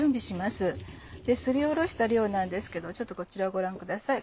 すりおろした量なんですけどちょっとこちらをご覧ください。